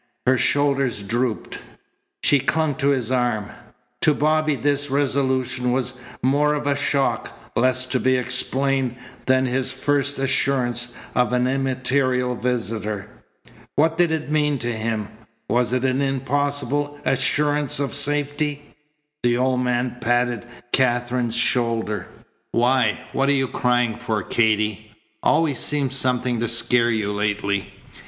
Her shoulders drooped. She clung to his arm. To Bobby this resolution was more of a shock, less to be explained, than his first assurance of an immaterial visitor. What did it mean to him? Was it an impossible assurance of safety? The old man patted Katherine's shoulder. "Why, what you crying for, Katy? Always seems something to scare you lately."